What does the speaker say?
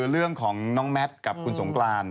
เรื่องของน้องแมทกับคุณสงกราน